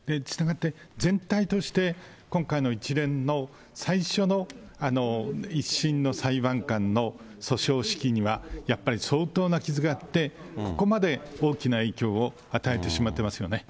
したがって、全体として今回の一連の最初の１審の裁判官の訴訟しきにはやっぱり相当な傷があって、ここまで大きな影響を与えてしまってますよ